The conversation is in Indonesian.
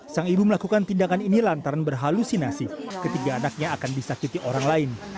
sang ibu melakukan tindakan ini lantaran berhalusinasi ketiga anaknya akan disakiti orang lain